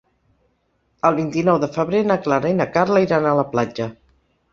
El vint-i-nou de febrer na Clara i na Carla iran a la platja.